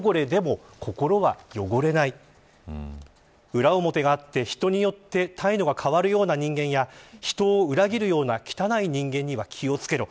裏表があって、人によって態度が変わるような人間や人を裏切るような汚い人間には気を付けろ。